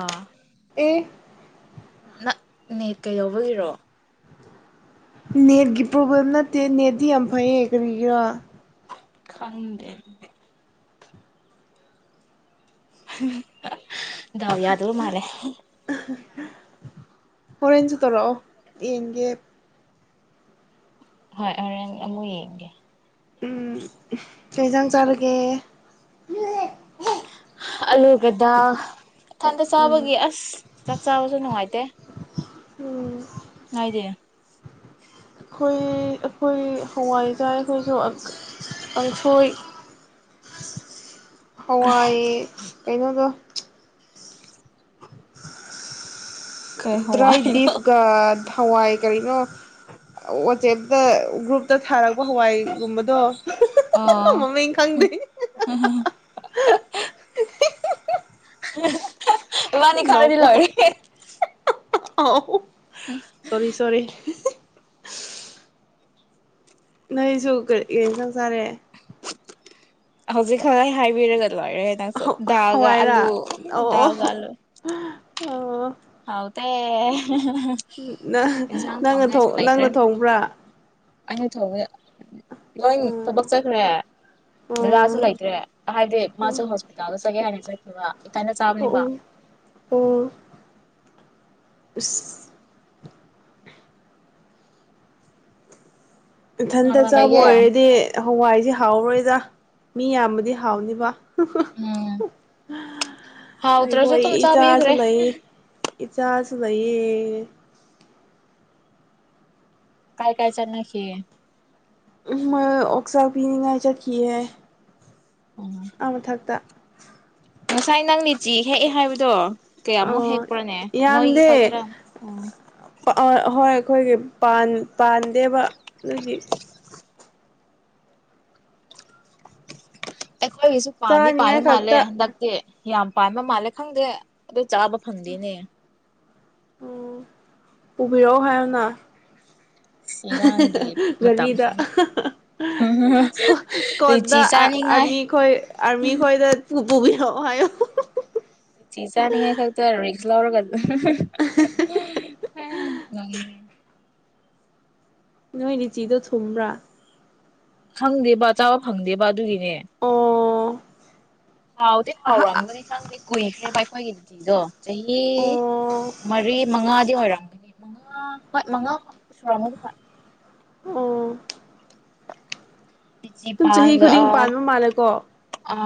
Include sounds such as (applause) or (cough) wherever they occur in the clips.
ꯑꯥ ꯑꯦ ꯅꯪꯅꯦ ꯀꯩ ꯌꯥꯎꯕꯒꯤꯔꯣ ꯅꯦꯠꯀꯤ ꯄ꯭ꯔꯣꯕ꯭ꯂꯦꯝ ꯅꯠꯇꯦ ꯅꯦꯠꯇꯤ ꯌꯥꯝ ꯐꯩꯌꯦ ꯀꯔꯤꯒꯤꯔꯥ꯫ ꯈꯪꯗꯦ꯫ ꯍꯨꯡ ꯍꯨꯡ꯫ ꯗꯥꯎ ꯌꯥꯗꯕ ꯃꯥꯜꯂꯦ꯫ ꯍꯣꯔꯦꯟꯁꯨ ꯇꯧꯔꯛꯑꯣ ꯌꯦꯡꯒꯦ꯫ ꯍꯣꯏ ꯍꯣꯔꯦꯟ ꯑꯃꯨꯛ ꯌꯦꯡꯒꯦ꯫ ꯎꯝ꯫ ꯀꯩ ꯆꯦꯟꯖꯥꯡ ꯆꯥ꯫ ꯅꯦ꯫ ꯑꯂꯨꯒꯗ ꯏꯊꯟꯇ ꯎꯝ ꯆꯥꯕꯒꯤ ꯑꯁ ꯆꯥꯛ ꯆꯥꯕꯁꯨ ꯅꯨꯡꯉꯥꯏꯇꯦ꯫ ꯎꯝ꯫ ꯍꯥꯏꯗꯦ꯫ ꯑꯩꯈꯣꯏ ꯑꯩꯈꯣꯏ ꯍꯋꯥꯏ ꯆꯥꯏ ꯑꯩꯈꯣꯏꯁꯨ ꯀꯪꯁꯣꯏ꯫ ꯍꯋꯥꯏ꯫ ꯀꯩꯅꯣꯗꯣ꯫ ꯀꯩ ꯗ꯭ꯔꯥꯏ ꯍꯋꯥꯏꯅꯣ ꯕꯤꯐꯒ꯫ ꯍꯋꯥꯏ ꯀꯔꯤꯅꯣ ꯋꯥꯆꯦꯞꯇ ꯒ꯭ꯔꯨꯞ꯫ ꯇ ꯊꯥꯔꯛꯄ ꯍꯋꯥꯏꯒꯨꯝꯕꯗꯣ ꯑꯣ ꯃꯃꯤꯡ ꯈꯪꯗꯦ꯫ ꯫ ꯏꯕꯅꯤ ꯀꯪꯉꯥꯗꯤ ꯂꯣꯢꯔꯦ꯫ ꯑ꯫ ꯁꯣꯔꯤ-ꯁꯣꯔꯤ꯫ ꯅꯣꯏꯁꯨ ꯀꯔꯤ ꯌꯦꯟꯁꯥꯡ ꯆꯥꯔꯦ꯫ ꯍꯧꯖꯤꯛ ꯈꯥꯏ ꯍꯥꯏꯕꯤꯔꯒ꯫ ꯂꯣꯏꯔꯦ ꯅꯪꯁꯨ ꯗꯜꯒ ꯍꯋꯥꯏꯔꯥ ꯑꯂꯨꯒ ꯑꯣ ꯑꯣ ꯗꯜꯒ ꯑꯂꯨꯒ꯫ ꯑꯣ꯫ ꯍꯥꯎꯇꯦ ꯅꯪ ꯏꯟꯁꯥꯡ ꯅꯪꯅ ꯊꯣꯡꯅꯤꯉꯥꯏꯁꯨ ꯂꯩꯇ꯭ꯔꯦ꯫ ꯅꯪꯅ ꯊꯣꯡꯕ꯭ꯔꯥ ꯑꯩꯅ ꯊꯣꯡꯉꯦ꯫ ꯂꯣꯏꯟ ꯊꯕꯛ ꯎꯝ ꯆꯠꯈ꯭ꯔꯦ ꯗꯥꯥꯗꯥꯁꯨ ꯑꯣ ꯂꯩꯇ꯭ꯔꯦ ꯍꯥꯏꯗꯤ ꯃꯥꯁꯨ ꯍꯣꯁꯄꯤꯇꯥꯜꯗ ꯆꯠꯀꯦ ꯍꯥꯏꯅ ꯆꯠ꯫ ꯀꯩꯕ꯫ ꯑꯣ ꯑꯣ ꯎꯝ꯫ ꯑꯁ꯫ ꯀꯅꯥ ꯏꯊꯟꯇ ꯀꯅꯥ ꯆꯥꯕ ꯂꯩꯒꯦ ꯑꯣꯏꯔꯗꯤ ꯍꯋꯥꯏꯁꯦ꯫ ꯍꯥꯎꯔꯣꯏꯗ ꯃꯤ ꯌꯥꯝꯕꯗꯤ ꯍꯥꯎꯅꯤꯕ꯫ ꯎꯝ ꯍꯥꯎꯇꯔꯁꯨ ꯑꯩꯈꯣꯏ ꯑꯗꯨꯝ ꯏꯆꯥꯁꯨ ꯆꯥꯕꯤꯈ꯭ꯔꯦ꯫ ꯂꯩ ꯏꯆꯥꯁꯨ ꯂꯩꯌꯦ꯫ ꯀꯥꯏ ꯀꯥꯏ ꯆꯅꯥꯒꯦ ꯑꯣꯛꯁꯥ ꯄꯤꯅꯤꯡꯉꯥꯏ ꯆꯀꯤꯌꯦ ꯎꯝ ꯑ ꯃꯊꯛꯇ ꯉꯁꯥꯏ ꯅꯪ ꯂꯤꯆꯤ ꯍꯦꯛꯑꯦ ꯍꯥꯏꯕꯗꯣ ꯀꯌꯥꯃꯨꯛ ꯑꯣ ꯍꯦꯛꯄ꯭ꯔꯣꯅꯦ ꯅꯣꯏꯒꯤ ꯈꯛꯇꯔꯥ ꯎ ꯑ ꯍꯣꯏ ꯑꯩꯈꯣꯏꯒꯤ ꯄꯥꯟ ꯄꯥꯟꯗꯦꯕ ꯑꯗꯒꯤ ꯑꯩꯈꯣꯏꯒꯤꯁꯨ ꯄꯥꯗꯤ ꯄꯥꯏꯌ ꯆꯥꯅꯤꯡꯉꯥꯏ ꯃꯥꯜꯂꯦ ꯈꯛꯇ ꯍꯟꯗꯛꯇꯤ ꯌꯥꯝ ꯄꯥꯟꯕ ꯃꯥꯜꯂꯦ ꯈꯪꯗꯦ ꯑꯗꯨ ꯆꯥꯕ ꯐꯪꯗꯦꯅꯦ ꯑꯣ ꯄꯨꯕꯤꯔꯛꯑꯣ ꯍꯥꯏꯔꯅ ꯏꯔꯥꯡꯒꯤ ꯒꯥꯔꯤꯗ ꯃꯇꯝꯁꯤꯕꯨ ꯏꯁꯀ ꯂꯤꯆꯤ ꯆꯥꯅꯤꯡꯉꯥꯏ ꯑꯥꯔꯃꯤ ꯈꯣꯏ ꯑꯥꯔꯃꯤ ꯈꯣꯏꯗ ꯄꯨꯕꯤꯔꯣ ꯑꯣ ꯍꯥꯏꯌꯣ ꯂꯤꯆꯤ ꯆꯥꯅꯤꯡꯉꯥꯏ ꯈꯛꯇ ꯔꯤꯛꯁ ꯂꯧꯔꯒ ꯎꯃꯝꯃꯝꯃꯝ ꯅꯣꯏ ꯅꯤꯡ ꯆꯤꯗꯣ ꯊꯨꯝꯕ꯭ꯔꯥ ꯈꯪꯗꯦꯕ ꯆꯥꯕ ꯐꯪꯗꯦꯕ ꯑꯗꯨꯒꯤ ꯑꯦ ꯑꯣ ꯍꯥꯎꯗꯤ ꯑꯍ ꯍꯥꯎꯔꯝꯒꯅꯤ ꯈꯪꯗꯦ ꯀꯨꯏꯈ꯭ꯔꯦꯕꯕꯥꯏꯈꯣꯏꯒꯤ ꯅꯨꯡꯇꯤꯗꯣ ꯆꯍꯤ ꯑꯣ ꯃꯔꯤ ꯃꯉꯥ ꯑꯣꯏꯣꯏꯔꯝꯒꯅꯤ ꯃꯉꯥ ꯍꯣꯏ ꯃꯉꯥ ꯁꯨꯔꯝꯒꯗꯤ ꯍꯣꯏ ꯑꯣ ꯂꯤꯆꯤ ꯑꯗꯨꯝ ꯆꯍꯤ ꯈꯨꯗꯤꯡ ꯄꯥꯟꯕ ꯃꯥꯜꯂꯦꯀꯣ ꯑ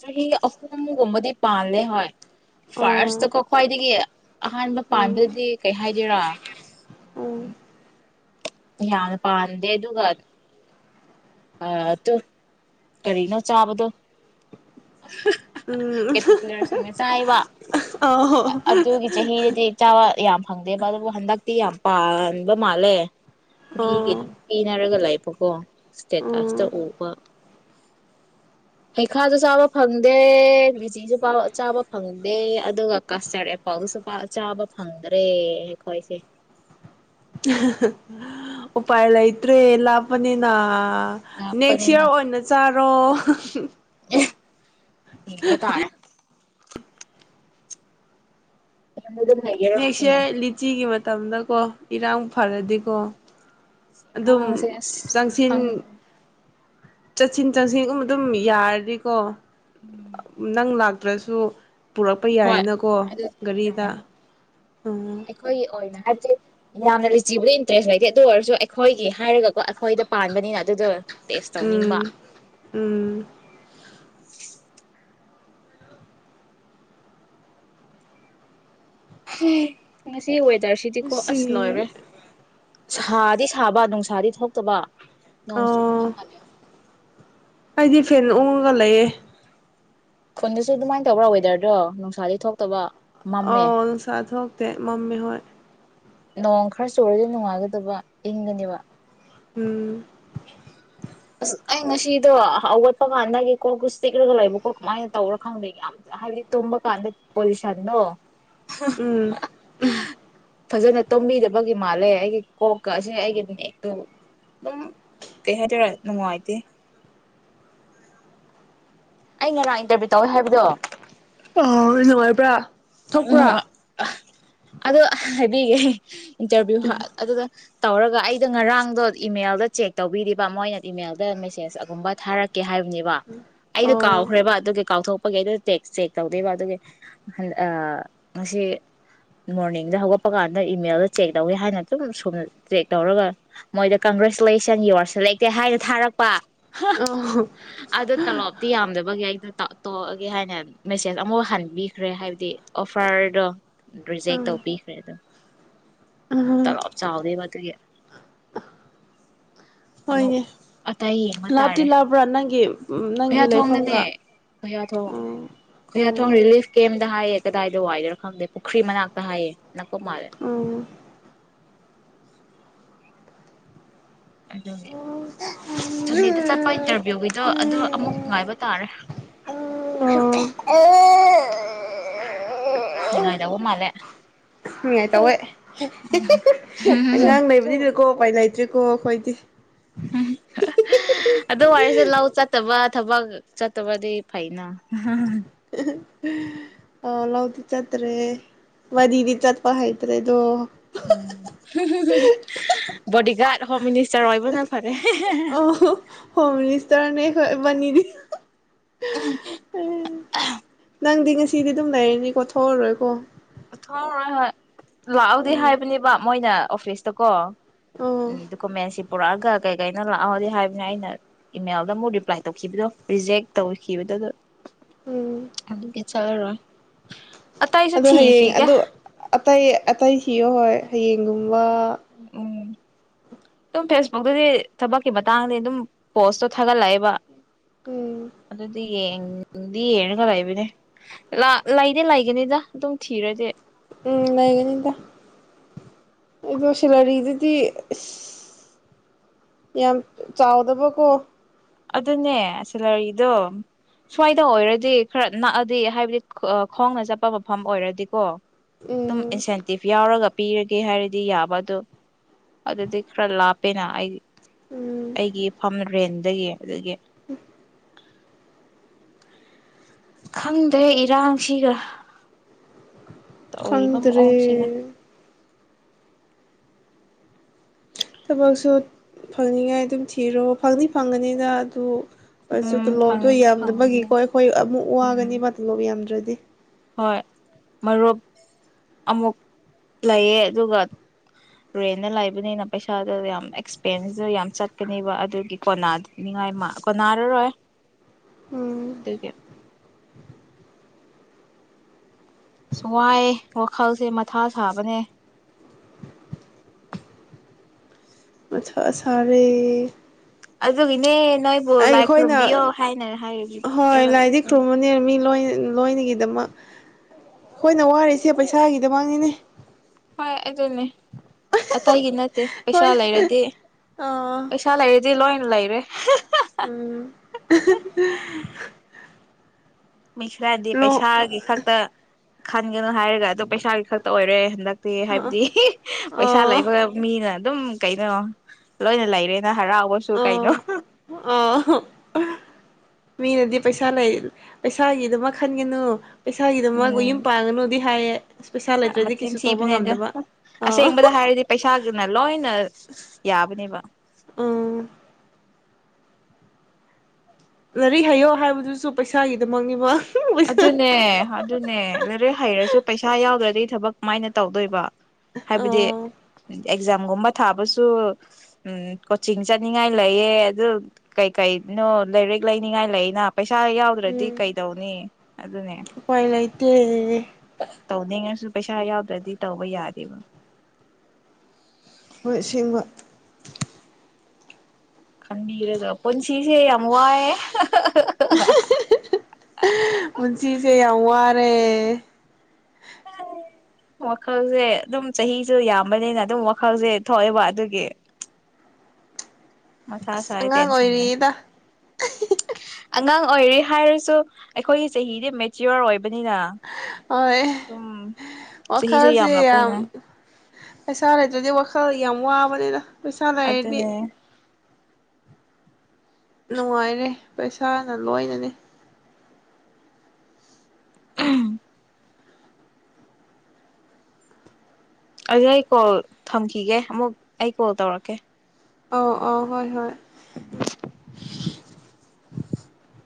ꯆꯍꯤ ꯑꯍꯨꯝꯒꯨꯝꯕꯗꯤ ꯄꯥꯜꯂꯦ ꯍꯣꯏ ꯐꯥꯏꯔꯁꯇ ꯑꯣ ꯀ ꯈ꯭ꯋꯥꯏꯗꯒꯤ ꯑꯍꯥꯟꯕ ꯎꯝ ꯄꯥꯟꯕꯥꯗꯤ ꯀꯩ ꯍꯥꯏꯗꯣꯏꯔꯥ ꯎꯝ ꯌꯥꯅ ꯄꯥꯟꯗꯦ ꯑꯗꯨꯒꯒꯗ ꯑꯥ ꯇ ꯀꯔꯤꯅꯣ ꯆꯥꯕꯗ ꯎꯝ ꯆꯥꯎꯥꯏꯕ ꯑ ꯑꯣ ꯑꯗꯨꯒꯤ ꯆꯍꯤꯗꯗꯤ ꯆꯥꯎꯥ ꯌꯥꯝ ꯐꯪꯗꯦꯕ ꯑꯗꯨꯕꯨ ꯍꯟꯗꯛꯇꯤ ꯌꯥꯝ ꯄꯥꯟꯕ ꯃꯥꯜꯂꯦ ꯃꯤꯒꯤ ꯑꯗꯨꯝ ꯄꯤꯅꯔꯒ ꯂꯩꯕꯀꯣ ꯑꯣ ꯏꯁꯇꯦꯀꯁꯇ ꯎꯕ ꯍꯩꯈꯥꯁꯨ ꯆꯥꯕ ꯐꯪꯗꯦ ꯂꯤꯦꯆꯤꯁꯨ ꯆꯥꯕ ꯐꯪꯗꯦ ꯑꯗꯨꯒ ꯀꯥꯁꯇꯔꯠ ꯑꯦꯄꯜꯗꯨꯁꯨ ꯆꯥꯕ ꯐꯪꯗ꯭ꯔꯦ ꯑꯩꯈꯣꯏꯁꯦ ꯎꯄꯥꯏꯂ ꯏꯇ꯭ꯔꯦ ꯂꯄꯅꯤꯅ ꯅꯦꯛꯁ ꯂꯥꯞꯄꯅꯤꯅ ꯏꯌꯥꯔ ꯑꯣꯏꯅ ꯆꯥꯔꯣ (unintelligible) ꯑꯦ ꯎꯕ ꯇꯔ ꯌꯨꯝꯗ ꯑꯗꯨꯝ ꯂꯩꯒꯦꯔꯣ ꯉꯁꯤ ꯅꯦꯛꯁ ꯂꯤꯆꯤꯒꯤ ꯃ ꯃꯇꯝꯗꯀꯣ ꯏꯔꯥꯡ ꯐꯔꯗꯤꯀꯣ ꯑꯗꯨꯝ ꯉꯔꯥꯡꯁꯦ ꯑꯁ ꯆꯪꯁꯤꯟ ꯈꯪꯗ꯭ꯔꯦ ꯆꯠꯁꯤꯟ ꯆꯠꯁꯤꯟꯒꯨꯝ ꯑꯗꯨꯝ ꯌꯥꯔꯗꯤꯀꯣ ꯎꯝ ꯅꯪ ꯂ ꯇ꯭ꯔꯦꯁꯨ ꯄꯨꯔꯛꯄ ꯍꯣꯏ ꯌꯥꯏꯅꯀꯣ ꯒꯥꯔꯤꯗ ꯎꯝ ꯑꯩꯣꯏ ꯑꯣꯏꯅ ꯍꯥꯏꯕꯗꯤ ꯌꯥꯝꯅ ꯔꯤꯆꯦꯕꯂꯤ ꯏꯟꯇꯔꯦꯁ ꯂꯩꯇꯦ ꯑꯗꯨ ꯑꯣꯏꯔꯁꯨ ꯑꯩꯈꯣꯏꯒꯤ ꯍꯥꯏꯔꯒꯀꯣ ꯍꯣꯏꯗ ꯄꯥꯟꯕꯅꯤꯅ ꯑꯗꯨꯗꯣ ꯇꯦꯁ ꯇꯧꯅꯤꯡꯕ ꯎꯝ ꯎꯝ ꯁꯤ ꯑꯣꯏꯣꯏꯗ ꯔꯁꯤꯗꯤꯀꯣ ꯁꯤ ꯑꯁ ꯂꯣꯏꯔꯦ ꯁꯥꯗꯤ ꯁꯥꯕ ꯅꯨꯡ ꯏꯁꯥꯗꯤ ꯊꯣꯛꯇꯕ ꯅ ꯁ ꯀ ꯑꯣ ꯃꯥꯂꯦ ꯑꯩꯗꯤ ꯐꯦꯟ ꯑꯣꯡꯉꯒ ꯂꯩꯑꯦ ꯈꯨꯟꯗꯁꯨ ꯑꯗꯨꯃꯥꯏꯅ ꯇꯧꯕ꯭ꯔꯥ ꯋꯦꯗꯔꯗꯣ ꯅꯨꯡꯁꯥꯗꯤ ꯊꯣꯛꯇꯕ ꯑ ꯃꯝꯃꯦ ꯅꯨꯡꯁꯥ ꯊꯣꯛꯇꯦ ꯃꯝꯃꯤ ꯍꯣꯏ ꯅꯣꯡ ꯈꯔ ꯆꯨꯔꯗꯤ ꯅꯨꯡꯉꯥꯏꯒꯗꯕ ꯏꯪꯒꯅꯦꯕ ꯎꯝ ꯑꯁ ꯑꯩ ꯉꯁꯤꯗꯣ ꯑꯠꯄ ꯀꯥꯟꯗꯒꯤ ꯀꯣꯛꯁ ꯇꯤꯛꯂꯒ ꯂꯩꯕꯀꯣ ꯀꯃꯥꯏꯅ ꯇꯧꯔꯣ ꯈꯪꯗꯦ ꯌꯥꯝ ꯍꯥꯏꯕꯗꯤ ꯇꯨꯝꯕ ꯀꯥꯟꯗ ꯄꯣꯂꯨꯁꯟꯗꯣ ꯎꯝ ꯐꯖꯅ ꯇꯝꯕꯤꯗꯕꯒꯤ ꯃꯥꯜꯂꯦ ꯑꯩꯒꯤ ꯀꯣꯛꯀ ꯑꯁꯤ ꯑꯩꯒꯤꯅꯦ ꯑꯗꯨ ꯑꯗꯨꯝ ꯀꯩ ꯍꯥꯏꯇꯥꯔꯦ ꯅꯨꯡꯉꯥꯏꯇꯦ ꯑꯩ ꯉꯔꯥꯡ ꯏꯟꯇꯔꯚꯤꯌꯨ ꯇꯧꯋꯦ ꯍꯥꯏꯕꯗꯣ ꯑꯣ ꯅꯉꯥꯏꯕ꯭ꯔꯥ ꯊꯣꯛꯄ꯭ꯔꯥ ꯑꯗꯣꯒ ꯏꯟꯇꯔꯚ꯭ꯌ ꯑꯗꯨ ꯇꯧꯔꯒ ꯑꯩꯗ ꯉꯔꯥꯡꯗꯣ ꯏꯃꯦꯜꯗ ꯆꯦꯛ ꯇꯧꯕꯤꯔꯤꯕ ꯃꯣꯏꯅ ꯏꯃꯦꯜꯗ ꯃꯦꯁꯦꯁ ꯑꯒꯨꯝꯕ ꯊꯥꯔꯛꯀ ꯀꯦ ꯍꯥꯏꯕꯅꯦꯕ ꯑꯩꯗꯣ ꯑꯣ ꯀꯥꯎꯈ꯭ꯔꯦꯕ ꯑꯗꯨꯒꯤ ꯀꯥꯎꯊꯣꯛ ꯄ ꯇꯦꯛꯁ ꯆꯦꯛ ꯇꯧꯗꯣꯏꯕ ꯑꯗꯨꯒ ꯉꯁꯤ ꯃꯣꯔꯅꯤꯡꯗ ꯍꯧꯒꯠꯄ ꯀꯥꯟꯗ ꯏꯃꯦꯜꯗ ꯆꯦꯛ ꯇꯧꯋꯦ ꯍꯥꯏꯅ ꯑꯗꯨꯝ ꯁꯨꯝ ꯆꯦꯛ ꯇꯧꯔꯒ ꯃꯣꯏꯗ ꯀꯪꯒ꯭ꯔꯦꯆꯨꯂꯦꯁꯟ ꯌꯣꯔꯁ ꯂꯩꯛꯇꯦ ꯍꯥꯏꯅ ꯊꯥꯔꯛꯄ ꯑ ꯑꯗꯣ ꯇꯂꯣꯞꯇꯤ ꯌꯥꯝꯗꯕꯒꯤ ꯑꯩꯗꯣ ꯇꯥꯛ ꯇꯣꯛꯑꯒꯦ ꯍꯥꯏꯅ ꯃꯦꯁꯦꯖ ꯑꯃꯐꯥꯎ ꯍꯟꯕꯤꯈ꯭ꯔꯦ ꯍꯥꯏꯕꯗꯤ ꯗꯤ ꯑꯣꯐꯥꯔꯗꯣ ꯔꯤꯖꯦꯛ ꯎꯝ ꯇꯧꯕꯤꯈ꯭ꯔꯦ ꯑꯗꯣ ꯎꯝ ꯇꯂꯣ ꯆꯥꯎꯗ ꯇ ꯑꯃꯨꯛ ꯍꯣꯏꯅꯦ ꯂꯥꯇꯤ ꯂꯥꯕ꯭ꯔꯥ ꯅꯪꯒꯤ ꯅꯪꯒꯤ ꯈꯨꯌꯥꯊꯣꯡꯅꯅꯦ ꯂꯩꯐꯝꯒ ꯈꯨꯌꯥꯊꯣꯡ ꯎꯝ ꯈꯨꯌꯥꯊꯣꯡ ꯎꯝ ꯔꯤꯂꯤꯐ ꯀꯦꯝ ꯍꯥꯏꯑꯌꯦ ꯀꯗꯥꯏꯗ ꯋꯥꯏꯗꯅꯣ ꯈꯪꯗꯦ ꯄꯨꯈ꯭ꯔꯤ ꯃꯅꯥꯛꯇ ꯍꯥꯏꯑꯦ ꯅꯀ ꯃꯥꯔꯦ ꯎꯝ ꯑꯗꯨ ꯁꯟꯗꯦꯗ ꯆꯠꯄ ꯏꯟꯇꯔꯚꯤꯌꯨꯒꯤꯗꯣ ꯑꯗꯨ ꯑꯃꯨꯛ ꯉꯥꯏꯕ ꯇꯥꯔꯦ ꯑꯦ ꯁꯤꯉꯥꯏꯗ ꯃꯥꯂꯦ ꯅꯨꯡꯉꯥꯏ ꯇꯧꯋꯦꯉꯥꯡ ꯅꯩꯕꯅꯤꯅꯀꯣ ꯄꯥꯏ ꯂꯩꯩ ꯍꯧꯀꯣ ꯑꯩꯈꯣꯏꯗꯤ ꯑꯗꯨ ꯋꯥꯔꯤꯁꯦ ꯂꯧ ꯆꯠꯇꯕ ꯊꯕꯛ ꯆꯠꯇꯕꯗꯤ ꯐꯩꯅ ꯑ ꯂꯧꯥꯎꯗꯤ ꯆꯠꯇ꯭ꯔꯦ ꯋꯥꯗꯤꯗꯤ ꯆꯠꯄꯩꯠ꯭ꯔꯦꯗꯣ ꯎꯝ ꯕꯣꯗꯤꯒꯥꯔꯗ ꯍꯣꯝ ꯃꯤꯅꯤꯁꯇꯔ ꯑꯣꯏꯕꯅ ꯐꯔꯦ ꯑ ꯍꯣꯝ ꯃꯤꯅꯤꯁꯇꯔꯅꯦ ꯑꯩꯈꯕꯅꯤꯗꯤ ꯅꯪꯗꯤ ꯁꯤꯗꯤ ꯑꯗꯨꯝ ꯂꯩꯔꯅꯤꯀꯣ ꯊꯣꯛꯑꯔꯣꯏꯀꯣ ꯊꯣꯏꯣꯏ ꯂꯥꯛꯍꯎꯗꯤ ꯎꯝ ꯍꯥꯏꯕꯅꯦꯕ ꯃꯣꯏꯅ ꯑꯣꯐꯤꯁꯇꯀꯣ ꯑꯣ ꯎꯝꯀ ꯃꯁꯤ ꯄꯨꯔꯛꯑ ꯀ ꯀꯩ ꯀꯅ ꯂꯥꯛꯑꯗꯤ ꯍꯥꯏꯕꯅꯦ ꯑꯩꯅ ꯏꯃꯦꯜꯗ ꯑꯃꯨꯛ ꯔꯤꯄ꯭ꯂꯥꯏ ꯇꯧꯈꯤꯕꯗꯣ ꯔꯤꯖꯦꯛ ꯇꯧꯈꯤꯕꯗꯨꯗ ꯎꯝ ꯑꯗꯨꯗꯒꯤ ꯆꯂꯔ ꯑ ꯇ ꯑꯗꯨ ꯍꯌꯦꯡ ꯑꯗꯨ ꯑꯇꯩ ꯑꯇꯩ ꯊꯤꯌꯣ ꯍꯣꯏ ꯍꯌꯦꯡꯒꯨꯝ ꯋꯥ ꯎꯝ ꯑꯗꯨꯝ ꯐꯦꯁꯕꯨꯛꯇꯗꯤ ꯊꯕꯛꯀꯤ ꯃꯇꯥꯡꯗꯤ ꯑꯗꯨꯝ ꯄꯣꯁꯇꯣ ꯊꯥꯒꯠꯂꯛꯑꯦꯕ ꯎꯝ ꯑꯗꯨꯗꯤ ꯌꯦ ꯌꯦꯡꯔꯒ ꯂꯩꯕꯅꯦ ꯂꯩꯅꯦ ꯂꯩꯒꯅꯤꯗ ꯑꯗꯨꯝ ꯊꯤꯔꯗꯤ ꯎꯝ ꯂꯩꯒꯅꯤꯗ ꯑꯗꯣ ꯁꯦꯂꯔꯤꯗꯨꯗꯤ ꯑ ꯌꯥꯝ ꯆꯥꯎꯗꯕꯀꯣ ꯑꯗꯨꯅꯦ ꯁꯂꯔꯤꯗꯣ ꯁ꯭ꯋꯥꯏꯗ ꯑꯣꯏꯔꯗꯤ ꯈꯔ ꯅꯛꯑꯗꯤ ꯍꯥꯏꯕꯗꯤ ꯈꯣꯡꯅ ꯆꯠꯄ ꯃꯐꯝ ꯑꯣꯏꯔꯗꯤꯀꯣ ꯑꯗꯨꯝ ꯎꯝ ꯏꯟꯁꯦꯟꯇꯤꯞ ꯌꯥꯎꯔꯒ ꯄꯤꯔꯒꯦ ꯍꯥꯏꯔꯗꯤ ꯌꯥꯕ ꯑꯗꯣ ꯑꯗꯨꯗꯤ ꯈꯔ ꯂꯥꯞꯄꯦꯅ ꯑꯩ ꯎꯝ ꯑꯩꯒꯤ ꯏꯐꯝ ꯔꯦꯟ ꯑꯗꯨꯌꯦ ꯑꯗꯒꯤ ꯎꯝ ꯈꯪꯗ꯭ꯔꯦ ꯏꯔꯥꯡꯁꯤꯒ ꯇꯧꯔꯤꯕ ꯀꯪꯗ꯭ꯔꯦ ꯃꯑꯣꯡꯁꯤꯒ ꯊꯕꯛꯁꯨ ꯐꯪꯅꯤꯡꯉꯥꯏ ꯑꯗꯨꯝ ꯊꯤꯔꯣ ꯐꯪꯅꯤ ꯐꯪꯒꯅꯤꯅ ꯑꯗꯨ ꯑꯁꯁꯨ ꯎꯝ ꯇꯣꯂꯣꯞꯇꯣ ꯐꯪꯗꯤ ꯐꯪꯕꯅꯦ ꯌꯥꯝꯗꯕꯒꯤꯀꯣ ꯑꯩꯈꯣꯏ ꯑꯃꯨꯛ ꯎꯝ ꯋꯥꯒꯅꯦꯕ ꯇꯣꯂꯣꯞ ꯌꯥꯝꯗ꯭ꯔꯗꯤ (unintelligible) ꯍꯣꯏ ꯃꯔꯨꯞ ꯑꯃꯨꯛ ꯂꯩꯌꯦ ꯑꯗꯨꯒ ꯔꯦꯟꯅ ꯂꯩꯕꯅꯤꯅ ꯄꯩꯁꯥꯗꯣ ꯌꯥꯝ ꯑꯦꯛꯁꯄꯦꯟꯁꯇ ꯌꯥꯝ ꯆꯠꯀꯅꯦꯕ ꯑꯗꯨꯒꯤ ꯀꯣꯅꯥꯅꯤꯡꯉꯥꯏ ꯀꯣꯅꯥꯔꯔꯣꯏ ꯎꯝ ꯑꯗꯨꯒꯤ ꯑ ꯋꯥꯏꯑꯦ ꯋꯥꯈꯜꯁꯦ ꯃꯊꯥ ꯁꯥꯕꯅꯦ ꯁꯔꯦ ꯑꯗꯨꯗ ꯏꯅꯦ ꯅꯣꯏꯕꯨꯣ ꯂꯥꯏꯈꯔꯝꯕꯤ ꯑꯣ ꯍꯥꯏꯅꯦ ꯍꯥꯏꯔ ꯍꯣꯏ ꯂ ꯂꯥꯏꯗꯤ ꯈꯨꯔꯨꯝꯕꯅꯦ ꯃꯤ ꯂꯣꯏ ꯂꯣꯏꯅꯒꯤꯗꯃꯛ ꯍꯣꯏꯅ ꯋꯥꯔꯤꯔꯤꯁꯦ ꯄꯩꯁꯥꯒꯤꯗꯃꯛꯅꯤꯅꯦ ꯍꯣꯏ ꯑꯗꯨꯅꯦ ꯑꯇꯩꯒꯤ ꯅꯠꯇꯦ ꯄꯩꯁꯥ ꯍꯣꯏ ꯂꯩꯔꯗꯤ ꯑꯥ ꯄꯩꯁꯥ ꯂꯩꯔꯗꯤ ꯂꯣꯏ ꯏ ꯂꯥꯏꯔꯦ ꯎꯝ ꯃꯤꯩ ꯈꯔꯗꯤ ꯂꯣ ꯄꯩꯁꯥꯒꯤ ꯈꯛꯇ ꯈꯟꯒꯅꯨ ꯍꯥꯏꯔꯒ ꯑꯗꯣ ꯄꯩꯁꯥꯒꯤ ꯈꯛꯇ ꯑꯣꯏꯔꯦ ꯍꯟꯗꯛ ꯦ ꯑꯥ ꯍꯥꯏꯕꯗꯤ ꯄꯩꯁꯥ ꯂꯩꯕ ꯃꯤꯅ ꯑꯗꯨꯝ ꯀꯩꯅꯩꯅꯣ ꯂꯣꯏꯅ ꯂꯩꯔꯦ ꯍꯔꯥꯎꯁꯨꯨ ꯑꯥ ꯀꯥꯏꯅꯣ ꯑꯥ ꯃꯤꯅꯗꯤ ꯄꯩꯁꯥ ꯂꯩ ꯄꯩꯁꯥꯒꯤꯗꯨꯃ ꯈꯟꯒꯅꯨ ꯏꯁꯥꯒꯤꯗ ꯃꯥꯒ ꯌꯨꯝ ꯎꯝ ꯄꯥꯡꯉꯅꯨꯗꯤ ꯍꯥꯏ ꯃꯆꯤꯟ ꯊꯤꯕꯅꯦꯗ ꯑꯥ ꯑꯁꯦꯡꯕꯗ ꯍꯥꯏꯔꯗꯤ ꯄꯩꯁꯥꯁꯤꯅ ꯂꯣꯏꯅ ꯌꯥꯕꯅꯦꯕ ꯑꯝ ꯂꯥꯏꯔꯤꯛ ꯍꯥꯏꯌꯣ ꯍꯥꯏꯕꯗꯨꯁꯨ ꯄꯩꯁꯥꯒꯤꯗꯃꯛꯅꯤꯕ ꯄꯩꯁꯥ ꯑꯗꯨꯅꯦ ꯑꯗꯨꯅꯦ ꯂꯔꯦ ꯍꯩꯔꯁꯨ ꯄꯩꯁꯥ ꯌꯥꯎꯗ꯭ꯔꯗꯤ ꯊꯕꯛ ꯃꯥꯏꯅ ꯇꯧꯗꯣꯏꯕ ꯍꯥꯏꯕꯗꯤ ꯑꯥ ꯑꯦꯛꯖꯥꯝꯒꯨꯝꯕ ꯊꯥꯕꯁꯨ ꯎꯝ ꯀꯣꯆꯤꯡ ꯆꯠꯅꯤꯡꯉꯥꯏ ꯂꯩꯑ ꯑꯗꯨ ꯀꯩ ꯀꯩꯅꯣ ꯂꯥꯏꯔꯤꯛ ꯂꯩꯅꯤꯡꯉꯥꯏ ꯂꯩꯅ ꯄꯩꯁꯥ ꯏꯁꯥ ꯌꯥꯎꯗ꯭ꯔꯗꯤ ꯀꯩꯗꯧꯅꯤ ꯑꯗꯨꯅꯦ ꯄꯥꯏ ꯂꯩꯠꯇ ꯇꯧꯗꯉꯁꯨ ꯄꯩꯁꯥ ꯌꯥꯎꯗ꯭ꯔꯗꯤ ꯇꯧꯕ ꯌꯥꯗꯔꯤꯕ ꯍꯣꯏ ꯁꯦꯡꯕ ꯈꯟꯕꯤꯔꯒ ꯄꯨꯟꯁꯤꯁꯦ ꯌꯥꯝ ꯋꯥꯏꯑꯦ ꯄꯨꯟꯁꯤꯁꯦ ꯌꯥꯝ ꯋꯥꯔꯦ ꯋꯥꯈꯜꯁꯦ ꯑꯗꯨꯝ ꯆꯍꯤꯁꯨ ꯌꯥꯝꯕꯅꯤꯅ ꯑꯗꯨꯝ ꯋꯥꯈꯜꯁꯦ ꯊꯣꯛꯑꯦꯕ ꯑꯗꯨꯒꯤ ꯃꯊꯥ ꯑꯁ ꯁꯥꯏ ꯑꯉꯥꯡ ꯇꯦꯟꯁꯟ ꯂꯩ ꯑꯣꯏꯔꯤꯗ ꯑꯉꯥꯡ ꯑꯣꯏꯔꯤ ꯍꯥꯏꯔꯁꯨ ꯑꯩꯈꯣꯏꯒꯤ ꯆꯍꯤꯗꯤ ꯃꯦꯆꯤꯌꯣꯔ ꯑꯣꯏꯕ ꯍꯣꯏ ꯆꯍꯤꯁꯨ ꯋꯥꯈꯜꯁꯦ ꯌꯥꯝ ꯌꯥꯝꯂꯛꯄꯅꯤꯅ ꯄꯩꯁꯥ ꯂꯩꯇ꯭ꯔꯗꯤ ꯋꯥꯈꯜ ꯀ ꯑꯃ ꯑꯕꯅꯦꯔ ꯄꯩꯁꯥ ꯂꯩꯔꯗꯤ ꯑꯗꯨꯅꯦ ꯅꯨꯡꯉꯥꯏꯔꯦ ꯄꯩꯁꯥꯅ ꯂꯣꯏꯅꯅꯤ (unintelligible) ꯑꯗꯨ ꯑꯩ ꯀꯣꯜ ꯊꯝꯈꯤꯒꯦ ꯑꯃꯨꯛ ꯑꯩ ꯀꯣꯜ ꯇꯧꯔꯛꯀꯦ ꯑ ꯑ ꯍꯣꯏ ꯍꯣꯏ ꯎ (unintelligible)